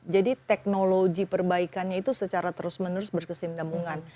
jadi teknologi perbaikannya itu secara terus menerus berkesimpulkan